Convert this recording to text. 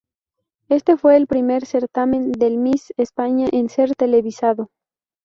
Este fue el primer certamen del Miss España en ser televisado.